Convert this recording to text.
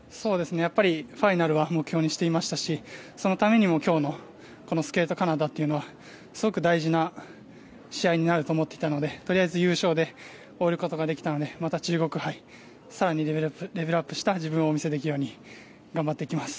ファイナルは目標にしていましたしそのためにも、今日のこのスケートカナダというのはすごく大事な試合になると思っていたのでとりあえず優勝で終わることができたのでまた中国杯更にレベルアップした自分をお見せできるように頑張っていきます。